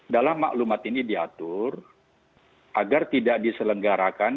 dalam maklumat ini diatur agar tidak diselenggarakan